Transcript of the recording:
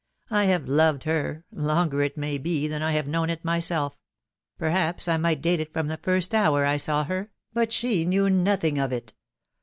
... I have loved her .... longer, it may be, than I have known it myself .... perhaps I might date it from the first hour I saw her, but she knew nothing of it